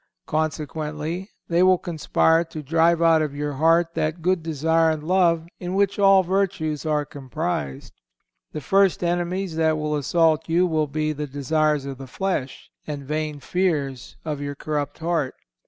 Consequently, they will conspire to drive out of your heart that good desire and love in which all virtues are comprised. The first enemies that will assault you will be the desires of the flesh, and vain fears of your corrupt heart.